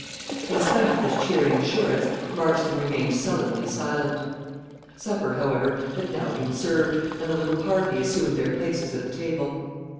In spite of this cheering assurance, Marston remained sullenly silent. Supper, however, had now been served, and the little party assumed their places at the table.